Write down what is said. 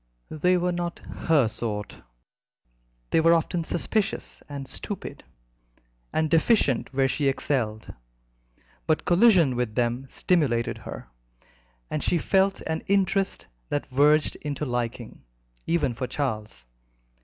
They were not "her sort," they were often suspicious and stupid, and deficient where she excelled; but collision with them stimulated her, and she felt an interest that verged into liking, even for Charles.